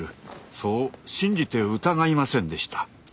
そう信じて疑いませんでした。